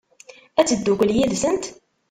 Ad teddukel yid-sent?